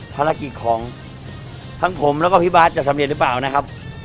ภารกิจของทั้งผมแล้วก็พี่บาทจะสำเร็จหรือเปล่านะครับ